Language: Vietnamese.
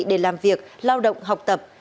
để làm việc lao động học tập